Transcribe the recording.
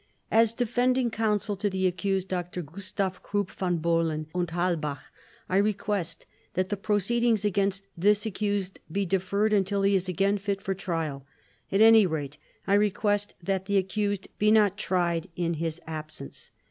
As defending counsel to the accused Dr. Gustav Krupp von Bohlen und Halbach I request that the proceedings against this accused be deferred until he is again fit for trial. At any rate I request that the accused be not tried in his absence.